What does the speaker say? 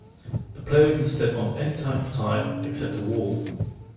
The player can step on any type of tile except a wall.